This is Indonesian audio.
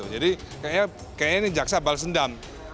jadi kayaknya ini jaksa balas dendam